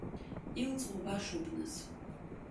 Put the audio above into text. Илҵуа башоуп нас.